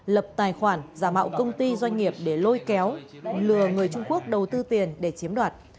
lập tài khoản giả mạo công ty doanh nghiệp để lôi kéo lừa người trung quốc đầu tư tiền để chiếm đoạt